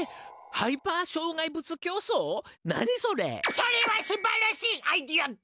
それはすばらしいアイデアです！